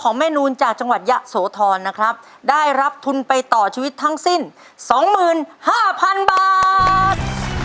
แม่นูนจากจังหวัดยะโสธรนะครับได้รับทุนไปต่อชีวิตทั้งสิ้น๒๕๐๐๐บาท